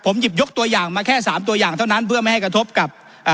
ผมหยิบยกตัวอย่างมาแค่สามตัวอย่างเท่านั้นเพื่อไม่ให้กระทบกับเอ่อ